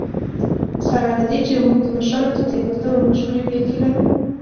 سره له دې چې موږ د مشرانو د تېروتنو مشهورې بېلګې لرو.